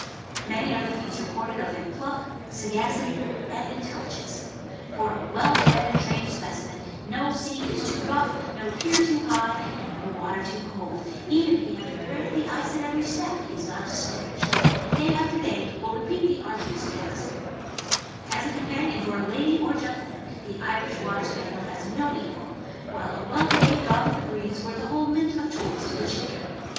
Many are the feats recorded of their pluck, sagacity, and intelligence. For a well bred and trained specimen no sea is too rough, no pier too high, and no water too cold; even if he have to break the ice at every step, he is not discouraged'; and day after day will repeat the ardu ous task, As a companion for a lady or gentleman the Irish Water Spaniel has no equal, while a well behaved dog of the breed is worth a whole mint of toys to the children.